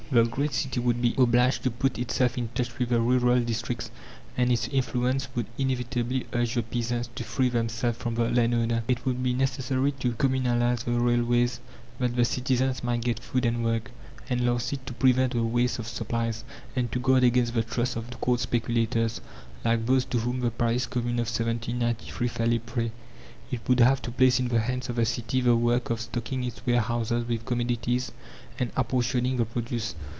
The great city would be obliged to put itself in touch with the rural districts, and its influence would inevitably urge the peasants to free themselves from the landowner. It would be necessary to communalize the railways, that the citizens might get food and work, and lastly, to prevent the waste of supplies; and to guard against the trusts of corn speculators, like those to whom the Paris Commune of 1793 fell a prey, it would have to place in the hands of the City the work of stocking its warehouses with commodities, and apportioning the produce.